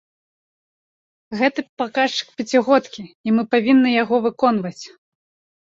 Гэта паказчык пяцігодкі, і мы павінны яго выконваць.